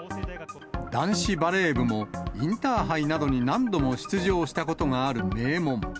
男子バレー部も、インターハイなどに何度も出場したことがある名門。